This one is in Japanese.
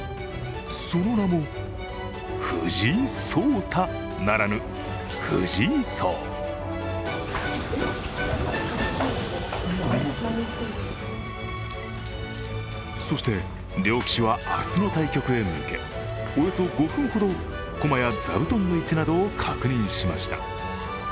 その名も、藤井聡太ならぬ藤井荘そして両棋士は明日の対局へ向けおよそ５分ほど、駒や座布団の位置などを確認しました。